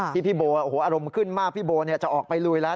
ที่พี่โบโอ้โหอารมณ์ขึ้นมากพี่โบจะออกไปลุยแล้ว